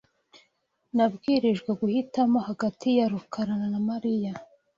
Nabwirijwe guhitamo hagati ya rukarana Mariya.